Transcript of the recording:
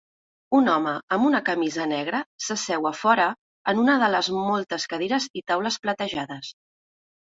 Un home amb una camisa negra s'asseu a fora en una de les moltes cadires i taules platejades.